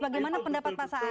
bagaimana pendapat pasangan